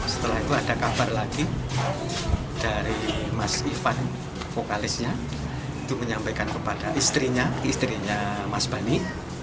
setelah itu ada kabar lagi dari mas ivan vokalisnya itu menyampaikan kepada istrinya istrinya mas bani